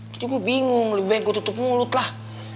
itu gue bingung lebih baik gue tutup mulut lah